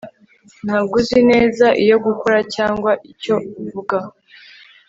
ntabwo uzi neza icyo gukora cyangwa icyo uvuga